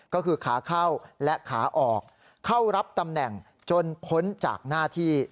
ก็คือขาเข้าและขาออกเข้ารับตำแหน่งจนพ้นจากหน้าที่